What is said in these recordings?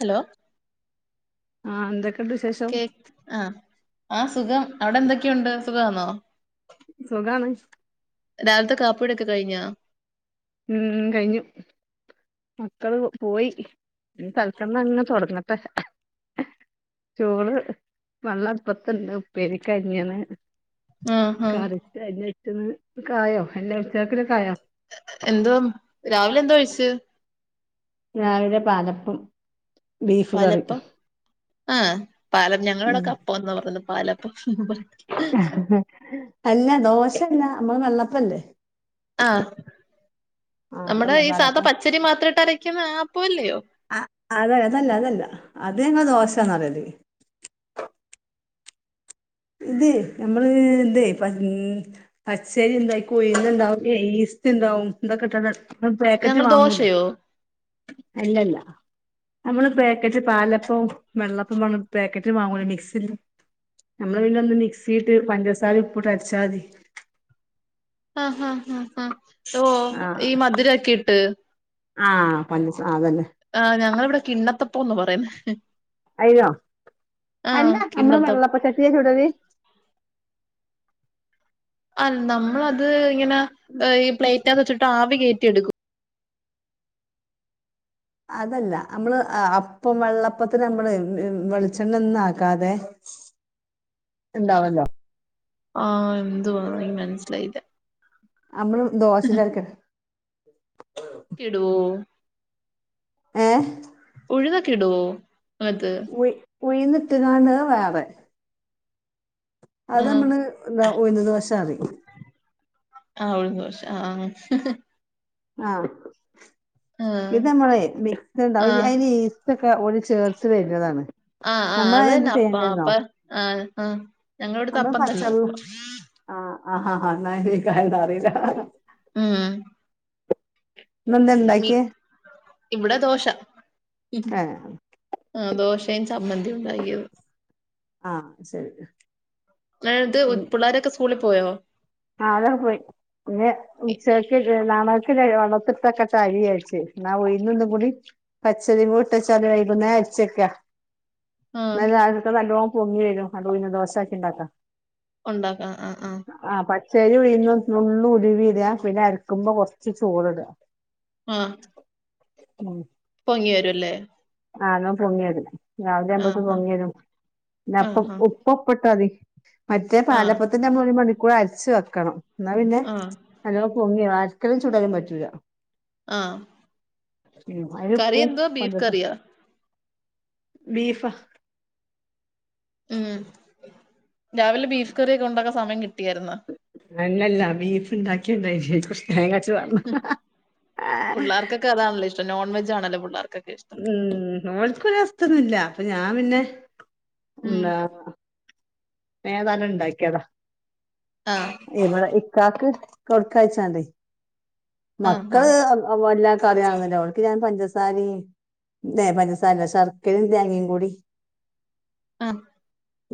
Hello ആ എന്തൊക്കെ എന്ത് വിശേഷം ആ സുഖം അവിടെ എന്തൊക്കെയുണ്ട് സുഖമാന്നോ സുഖാണ് രാവിലത്തെ കാപ്പിടൊക്കെ കഴിഞ്ഞാ ഉം കഴിഞ്ഞു മക്കള് പോയി തല്ക്കണ് അങ്ങ് തൊടങ്ങട്ടെ ചോറ് വെള്ളം അടുപ്പത്തുണ്ട് ഉപ്പേരിക്ക്അരിയണം ആഹ് ആഹ് ക്യാരറ്റ് അരിഞ്ഞു വെയ്ക്കുന്നു കായോ എല്ലാം ഉച്ചക്കന്ക്ക് കായോ എന്തോ രാവിലെ എന്തോ കഴിച്ച് രാവിലെ പാലപ്പം ബീഫ് കറി പാലപ്പം ആ പാലപ്പം ഉം ഞങ്ങളടെവിടക്കെ അപ്പന്നാ പറഞ്ഞയുന്നത് പാലപ്പം [inaudible] അല്ല ദോശല്ല നമ്മള് വെള്ളപ്പല്ലേ ആ ആഹ് നമ്മുടെ അതന്നെ ഈ സാധാ പാലപ്പം പച്ചരി മാത്ര ഇട്ട് അരക്കുന്ന ആ അപ്പല്ലിയോ ങ്ങ ദോശന്ന് പറയും ഇത് നമ്മള് ഇതേ ഇപ്പ പച്ചരി ഇണ്ടായി ഇണ്ടാവും ഈസ്റ്റ് ഇണ്ടാവും എന്തൊക്കെ ഇട്ട അ പാക്കറ്റ് ഞങ്ങൾ വാങ്ങൂലേ ദോശയോ അല്ലല്ല നമ്മള് പാക്കറ്റ് പാലപ്പവുംവെള്ളപ്പംപറഞ്ഞു പാക്കറ്റ് വാങ്ങൂ മിക്സില് നമ്മള് പിന്നെ ഒന്ന് മിക്സിയിട്ട് പഞ്ചസാര ഉപ്പിട്ട് അടിച്ചാ മതി ആ ആ ആ ആ ഓ ആഹ് ഈ മധുരക്കിട്ട് ആഹ് പഞ്ചസാ ആ അതന്നെ ആ ഞങ്ങളിവിടെ കിണ്ണത്തപ്പന്ന് പറയന്ന് അയ്യോ അല്ല നമ്മള് കിണ്ണത്തപ്പം വെളളപ്പ ചട്ടില് ചൂടില് ആ നമ്മളത് ഇങ്ങനെ ഈ പ്ലേറ്റ് ഇട്ട വെച്ചിട്ട് ആവി കേറ്റിയെടുക്കും അതല്ല നമ്മള് അപ്പം വെള്ളപ്പത്തിന് നമ്മള് വെളിച്ചെണ്ണ ഒന്നും ആക്കാതെ ഇണ്ടാവല്ലോ ങാ എന്തുവാ എനിക്ക് മനസിലായില്ല നമ്മള് ദോശ [unintelligible] കിടുവോ? ഏ ഉഴുന്നെക്കെ ഇടുവോ? അത് ഉഴുന്നിട്ടുകാണുന്നത് വേറെ അത് ആഹ് നമ്മള് എന്ത് ഉഴുന്ന് ദോശ റിം ആ ദോശ ആ ആ ആഹ് ഇത് ആഹ് നമ്മള്മിക്സ്അതി ഈസ്റ്റ് ഒക്കെ ഓരുചേർത്ത് വരുന്നതാണ്. ആഹ് നമ്മൾ എന്ത് ചെയ്യണ്ടേന്നോ? ആ ഞങ്ങളവിടുത്തെ അപ്പം തന്നെ. ആ ആ ആ [unintelligible] ഉം ഇന്നെന്താ ഇണ്ടാക്കിയേ ഇവിടെ ദോശ. ഏഹ് ആ ശരി അത് പിള്ളാരൊക്കെ സ്കൂ സ്കൂളിൽ പോയോ? ആ അതൊക്കെ പോയി. ആ പിന്നെ ഉച്ചയ്ക്കിത് നാളക്കക്ക് വളർത്തിട്ടൊക്കെ തഴി അയച്ചു എന്നാ ഒയി ഒന്നും കൂടി പച്ചരി പൂട്ടച്ചാല് വൈകുന്നേ അഴച്ചക്കാ ആഹ് ഇന്നലെ രാവിലത്തെ നല്ലോ പൊങ്ങി വരും അതു പിന്നെ ദോശയാക്കിഉണ്ടാക്ക ഉണ്ടാക്കാം. ആ ആ ശരി ഉഴുന്നും, നുള്ളും ഉലുവയും ഇടുക, പിന്നെ അരക്കുമ്പോ കുറച്ച് ചോറ്ഇടുക. ആ ഉം പൊങ്ങി വരുംല്ലേ? ആന്നോപൊങ്ങി വരും രാവിലെ ആവുമ്പത്തേക്ക് പൊങ്ങി വരും. ആഹ് പിന്നെഅപ്പ ആഹ് ഉപ്പി തവി മറ്റേ ആഹ് പാലപ്പത്തിന്റെ പൊ കൂടെ അരച്ചു വെ ക്കണം. എന്നാ പിന്നെ ആഹ് അക്കലും ചുടാനും പറ്റൂല ആഹ് ഉം അയിന് കറി ഉപ്പും എന്തുവാ ബീഫ് പഞ്ചസാ കറിയോ ബീഫാ മ് രാവിലെ ബീഫ് കറിയൊക്കെ ഒണ്ടാക്കാൻ സമയം കിട്ടു അല്ലല്ല ബീഫ് ഇണ്ടാക്കിയ ഇണ്ടായി [unintelligible] മ് പിള്ളേർക്കൊക്കെ അതാണല്ലോ ഇഷ്‌ നോൺവെജാണല്ലോ പുള്ളാർ ഉം ഓൽക്ക് ഒരിഷ്ടൊന്നുല്ല അപ്പോ ഞാന് ഞാൻ പിന്നെ ഉം ഉംന്ന [unintelligible] ഇണ്ടാക്കിയതാ ആഹ് ഇവിടെ ഇക്കാക്ക് കൊടുക്കാഴ്ച്ചാണ്ടെ ആഹ് ആഹ് മക്കള് എല്ലാക്കും അറിയാവുന്നില [unintelligible] ഓൽക്ക് ഞാൻ പഞ്ചസാരെം ഇല്ല പഞ്ചസാരല്ല ശർക്കരെം തേങ്ങെം കൂടി ആഹ്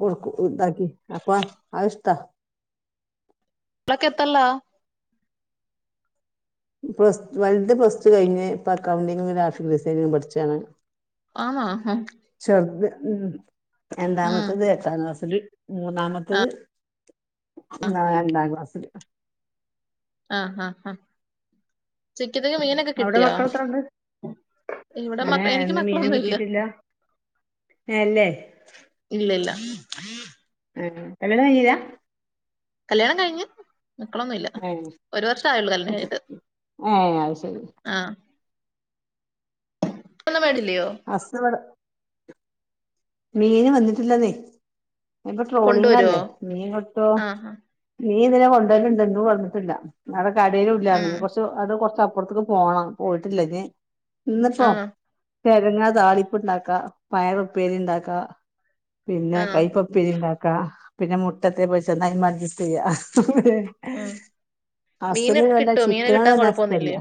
കൊട്ക്കും ഉതാക്കി അപ്പ അതിഷ്ട മക്കളൊക്കെത്രെല പ്ലസ് വൽത് പ്ലസ് ടു കഴിഞ്ഞ് ഇപ്പൊ അക്കൗണ്ടിങ്ങ് ഗ്രാഫിക് ഡിസൈനിങ്ങും പഠിച്ചാണ് ആഹ് അഹ് ചെറുത് ഉം രണ്ടാമത്തത് എട്ടാം ക്ലാസില് ഒല് മൂന്നാമത്തെത് നാലാം ക്ലാസ് ആഹ് ആഹ് ആഹ് ഉച്ചത്തെക്ക് മീനൊക്കെ അവിടെ കിട്ടിയാ മക്കൾ എത്ര ഉണ്ട് ഇവടെ ഏ മക്കൾ എനിക്ക് ഇന്ന് മീനും മക്കളൊന്നു ഇല്ല കിട്ടിയിട്ടില്ല ഏ, അല്ലേ ഇല്ലല്ല ആഹ് കല്യാണം കയിഞ്ഞിലാ കല്യാണം കഴിഞ് മക്കളൊന്നുല്ല ഏ ഒരു വർഷം ആയുള്ളൂ കല്യാണം കഴിഞ്ഞിട്ട് ഏ അത് ശരി ആഹ് [unintelligible] ഹസ് വടെ മീന് വന്നിട്ടില്ലെന്നെ ഇപ്പൊ കൊണ്ടുവരുവോ ട്രോളിങ്ല്ലേ മീൻ കിട്ടോ ആഹ് നീ ഇതിലെ കൊണ്ടുവലുണ്ടുന്ന് പറഞ്ഞിട്ടില്ല കടയിലും ഉം ഇല്ലാര്ന്ന് കൊറച്ച് അത് കൊറച്ച് പുറത്തേക്ക് പോണം പോയിട്ടില്ല ഇനി ഇന്നിപ്പോ ആഹ് കേഴങ്ങ് താളിപ്പ്ണ്ടാക്കാം പയർ ഉപ്പേരി ഉണ്ടാക്ക ക്കാ പിന്നെ ആഹ് കൈപ്പപ്പിരി ഇണ്ടാക്കാ പിന്നെ മുട്ടത്തെ പൊരിച്ച് [unintelligible] അഡ്ജസ്റ്റ് ചെയ്യാ ഉം മീനൊക്കെ കിട്ടോ [unintelligible] മീന് ചിക്കനോട്‌ കിട്ടാൻ വല്ല ഇസ്ത്തല്ല കൊഴപ്പൊന്നുല്ലേ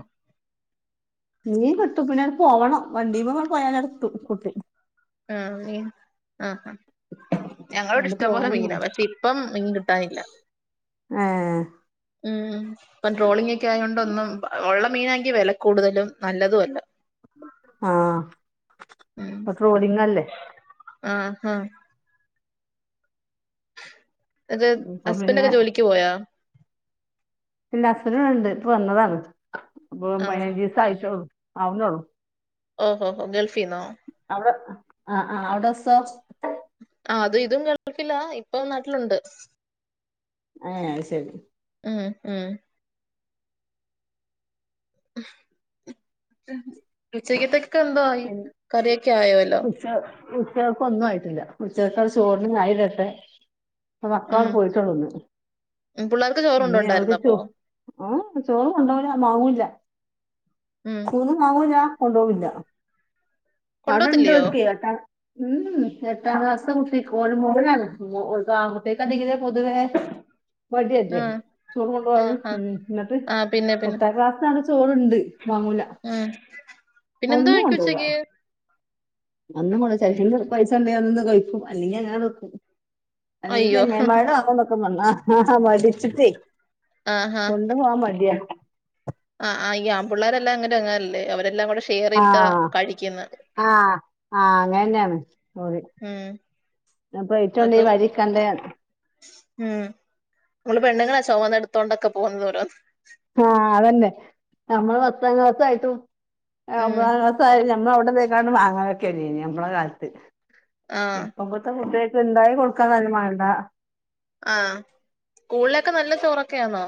മീൻ കിട്ടും പിന്നെ പോവണം വണ്ടീമേ പോയാലടുത്തു കിട്ടും ആ ആഹ് ആ ഞങ്ങളിവിടെ അങ്ങട് ഇഷ്ടം പോലെ പോവണം മീനാ പക്ഷെ ഇപ്പം മീൻ കിട്ടാനില്ല ഏ ഉം ഇപ്പം ട്രോളിംഗ് ഒക്കെ ആയൊണ്ട് ഒന്നും ഒള്ള മീനാങ്കി വെല കൂടുതലും നല്ലതു അല്ല ഉം പ്പ ട്രോളിംഗ് അല്ലേ ആഹ് ഹാ അത് അപ്പൊ ഹസ്ബൻഡ് പിന്നെ ഒക്കെ ജോലിക്ക് പോയാ ഇല്ല ഹസ്ബൻഡ് ഇവിടെ ഉണ്ട് ഇപ്പൊ വന്നതാണ് ആണോ അപ്പോ [unintelligible] ആവുന്നോളൂ ഓഹോഹോ ഗൾഫിന്നോ ആ ആ അവിടെസോ ആ അതും ഇതും ഗൾഫിലാ ഇപ്പൊ നാട്ടിലൊണ്ട് ആ അത് ശെരി ഉം ഉം ഉച്ചക്കത്തേക്ക് ന്തോ ആയി കറിയൊക്കെ ആയോ വല്ലോം ഉച്ചക്ക ഒന്നും ആയിട്ടില്ല ഉച്ചവക്കാ ചോർന് ആയിവരട്ടെ അ മക്കളവിടെ ഉം പോയിട്ടേളുന്ന് ഉം പിള്ളേർക്ക് ചോറ് ഇനി അവക്ക് കൊണ്ടോണ്ടായിരുന്നോ ചോ അപ്പൊ ആ ചോറ് കൊണ്ടോയി മാങ്ങൂല്ല ഉം [unintelligible] കൊണ്ടോവില്ല കൊണ്ടോത്തില്ലയോ [unintelligible] ഉം എട്ടാംക്ലാസ്സ് ത്തെ കുട്ടിക്ക് ഒരു മോനാണ് ആൺ കുട്ടികക്ക് പൊതുവേ മടിയല്ലേ ആഹ് ചോറ് കൊണ്ടുപോകാൻ ആഹ് ആഹ് ഉം എന്നിട്ട് ആ പിന്നെ പിന്നെ എട്ടാം ക്ലാസ്സ് ചോറുണ്ട് മാങ്ങൂല ഉം പിന്നെന്തോ ഒന്നും കഴിക്കും ഉച്ചക്ക് അന്ന് [unintelligible] പൈസ ഉണ്ടന്നെ കഴിക്കും അല്ലെങ്കെ അങ്ങനെ വെക്കും അല്ലെങ്കി അയ്യോ ചങ്ങായിമാരടെ [unintelligible] [unintelligible] മടിച്ചിട്ട് ആഹ് ഹാ കൊണ്ടുപോകാൻ മടിയാ പിള്ളേരെല്ലാം അങ്ങനെ [unintelligible] അവരെല്ലാം കൂടെ ഷെയർ ഇട്ടാ ആഹ് കഴിക്കുന്നെ ആഹ് ആഹ് അങ്ങനെ തന്നെയാണ് ഉം [inaudible] അപ്പം [unintelligible] ഉണ്ടാക്കിൽ അതൊക്കെ വഴില് കണ്ട ഉം നമ്മള് പെണ്ണുങ്ങളാ ചുമന്നടുത്തു കൊണ്ടൊക്കെ പോകുന്നത് ഓരോ ആഹ് അത് തന്നെ നമ്മള് പത്താം ക്ലാസ് ആയിട്ടും ഉം ഒമ്പതാം ക്ലാസ് ആയാലും [unintelligible] അവിടുന്ന് [unintelligible] വാങ്ങാൻ [unintelligible] നമ്മടെ കാലത്ത് ആഹ് ഇപ്പം [unintelligible] കുട്ടികൾക്ക് ഉണ്ടാക്കി കൊടുക്കാന്ന് പറഞ്ഞാലും വേണ്ട ആഹ് സ്കൂളിലൊക്കെ നല്ല ചോറൊക്കെയാണോ?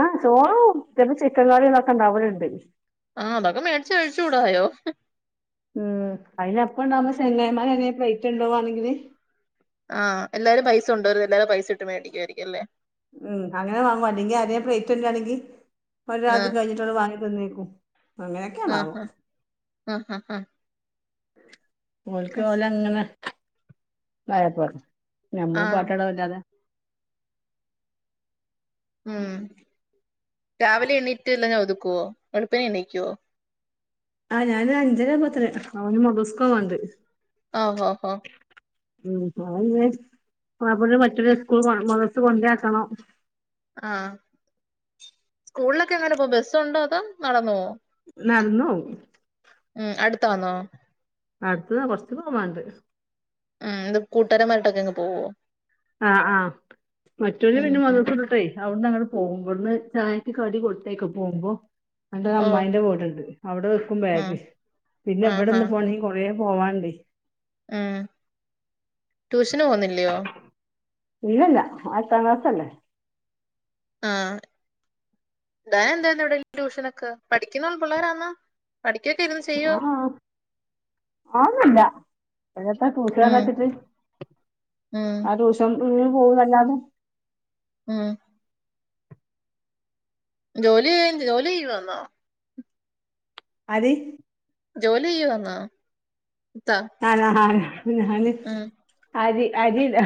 ആഹ് ചോറും ഉച്ചക്ക് ചിക്കൻ കറികളൊക്കെ ഉണ്ടാകാറുണ്ട് ആഹ് അതൊക്കെ മേടിച്ച് കഴിച്ചൂടായോ ഉം അയിന് അപ്പം ഉണ്ടാവുന്ന ചങ്ങായിമാരെ അ വെയിറ്റ് ഉണ്ടാക്കുവാണെങ്കില് ആഹ് എല്ലാരും പൈസ കൊണ്ടുവരും എല്ലാരും പൈസ ഇട്ട് മേടിക്കുമായിരിക്കും എല്ലെ? ഉം അങ്ങനെ വാങ്ങും അല്ലെങ്കിൽ ആരെടെ പ്ലേറ്റ് [unintelligible] ഒരാ അത് ആഹ് കഴിഞ്ഞിട്ടുള്ളത് വാങ്ങി തന്നേക്കും ഉം ആഹ് ആഹ് ആഹ് ആഹ് ആഹ് ഓല്ക്ക് ഉം ഓല് അങ്ങനെ മാറിപ്പോ [unintelligible] ഞമ്മള് ആ പാട്ട് പാട് അല്ലാതെ ഉം രാവിലെ എണ്ണീറ്റ്ല്ല ഒതുക്കുവോ വെളുപ്പിനെ എണ്ണീക്കുവോ ആഹ് ഞാനൊ അഞ്ചര ആവുമ്പത്തെന് അവന് [unintelligible] ആഹ് ഓഹോ ഹോ ഉം അവനിന്ന് [unintelligible] സ്കൂള് മദ്രസ കൊണ്ടേ ആക്കണം ആഹ് സ്കൂളിലൊക്കെ എങ്ങനെ പോം ബസ്സോണ്ടോ അതോ നടന്ന് പോവോ നടന്ന് പോവും ഉം അടുത്താവന്നോ അടുത്തുന്ന് കൊറച്ചു പോവാണ്ട് ഉം ഇത് കൂട്ടാരമായിരട്ടങ്ങ് പോവോ ആഹ് ആ മറ്റൊരു ഉം പിന്നെ ഉം വന്നപ്പോ തൊട്ടേ അവിട്ന്ന് അങ്ങ്ട് പോകും ഇവിടുന്ന് ചായക്ക് കടി കൊടുത്തയക്കും പോകുമ്പോ എന്റെരു ഓ അമ്മായിന്റെ വീട്ട് ണ്ട് അവിടെ വെക്കും ഉം ബാഗ് പിന്നെ ഇവിടെന്ന് പോണെങ്കി കൊറേം പോവാ ണ്ട് ആ ട്യൂഷന് പോകുന്നില്ലയോ ഇല്ലല്ല ഓൻ എട്ടാം ക്ളാസല്ലേ ആ എന്താന എന്തന്ന് ഇവിടെ ട്യൂഷനൊക്കെ പഠിക്കുന്ന പിള്ളേരാന്നോ ആഹ് അതൊന്നില്ല എത്താ ട്യൂഷന്ന് ഉം പറഞ്ഞയച്ചിട്ട് ഉം ആ ട്യൂഷം [unintelligible] പോവല്ലാതെ ഉം ജോലി ചെയ് ജോലി ചെയ്യുവാന്നോ ആര് ജോലി ചെയ്യുവാന്നോ ഇത്താ ആണ് ആ ഞാന് ഉം അരി അരിയിടാ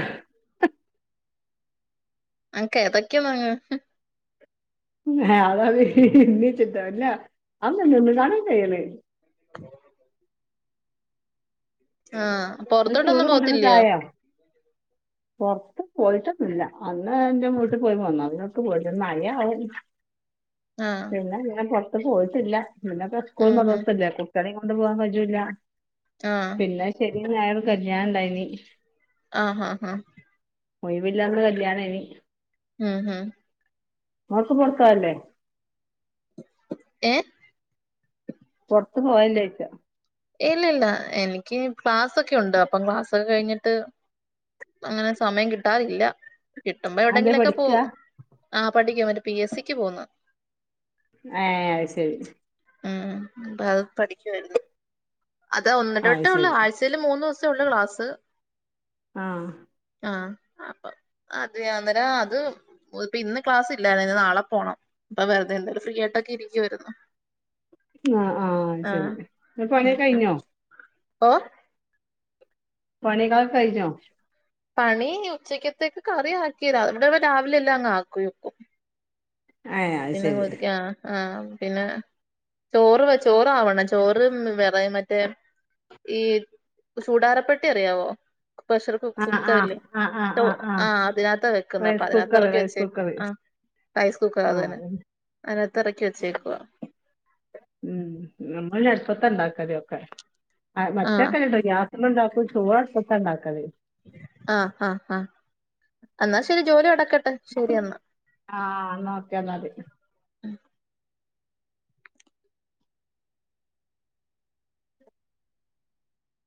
അനക്ക് ഏതൊക്കെയാ വാങ്ങ് അതത് [unintelligible] വെച്ചിട്ടല്ല [unintelligible] ആഹ [unintelligible] ചോറും കൂട്ടാനൊക്കെ ആയോ പൊറത്ത് പോയിട്ടൊന്നില്ല അന്ന് എന്റെ വീട്ടിൽ പോയി പോന്നതാ പിന്നെങ്ങോട്ടും പോയിട്ടില്ല പിന്നെ മഴയായും ആഹ് പിന്നെ [unintelligible] [unintelligible] പോയിട്ടില്ല ഇല്ലാപ്പോ സ്കൂളും ഉം ഉം മദ്റസയും ഇല്ലേ കുട്ട്യോളെയും കൊണ്ട് കൊണ്ട് പോവാ കജ്ജൂല്ല ആഹ് പിന്നെ ശരി ഇന്ന് വേറെ കല്യാണം ഇണ്ടായിനി ആഹ് ആഹ് ആഹ ഒഴിവില്ലാന്ന് കല്യാണേനി ഹം ഹം ങ്ങൾക്ക് പൊറത്തോയേല്ലേ എ പൊറത്ത് പോയല്ലേ ചോയ്ക്ക ഇല്ല ഇല്ല എനിക്ക് ക്ലാസൊക്കെ ഉണ്ട് അപ്പം ക്ലാസ്സൊക്കെ കഴിഞ്ഞിട്ട് അങ്ങനെ സമയം കിട്ടാറില്ല കിട്ടുമ്പോ അതെന്തേ എവിടെങ്കിലൊക്കെ പോവും പഠിക്കാ ആ പഠിക്കാ മറ്റ പി എസ് സിക്ക് പോകുന്നു ഹേ അത് ശരി ഉം അപ്പൊ അത് പഠിക്കുവായിരുന്നു അത് ആ അത് ഒന്നിടവിട്ടേ ഉള്ളൂ ശരി ആഴ്ചയിൽ മൂന്ന് ദൂസം ച്ചുള്ളു ക്ലാസ് ആഹ് ആഹ് ആപ്പം അത് അന്നേരം അത് ഇപ്പ ഇന്ന് ക്ലാസ് ഇല്ലായിരുന്ന് നാളെ പോണം ഇപ്പ വെറുതെ എന്തായാലും ഫ്രീ ആയിട്ടൊക്കെ ഇരിക്കരുന്നു ആഹ് ആഹ് അയ് ശരി [unintelligible] പണി ഉം ഉം കഴിഞ്ഞോ ഓ പണികളൊക്കെ കഴിഞ്ഞോ പണി ഉച്ചക്കത്തേക്ക് കറി ആക്കീതാ ഇവിടെ രാവിലെ എല്ലാം അങ്ങ് ആക്യി വെക്കും ഏ [unintelligible] അത് ശരി ചന്നോതിക്കാ ആഹ് ആഹ് പിന്നെ ചോറ് വെച്ച് ചോറാവണം ചോറ് വേറെ മറ്റേ ഈ ചൂടാരപ്പെട്ടി അറിയാവോ പ്രഷർ കു ആ കുക്കർ ആ ഇല്ലേ ആ ആ ആ ആ ആഹ് അതിനാതാ വെക്കുന്നെ അപ്പ റൈസ് അതിനഹത്ത് കുക്കറ് എറക്കി റൈസ് വെച്ചേക്കു കുക്കറ് ആഹ് റൈസ് കുക്കർ ആ അതു തന്നെ അതന്നെ അത്തിനാത് എറക്കി വെച്ചേക്കുവാ ഉം നമ്മൾ അടുപ്പത്താ ണ്ടാക്കല് ഒക്കെ ആ [unintelligible] ഗ്യാസ് ഒന്നുണ്ടാക്കും ചോറ് അടുപ്പത്താ ണ്ടാക്കല് ആ ആ ആ എന്നാ ശരി ജോലി നട ആഹ് ഓക്കേ ഇന്നാല്